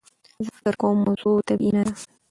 زه فکر کوم موضوع طبیعي نده.